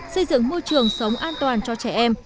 xây dựng môi trường sống an toàn cho trẻ em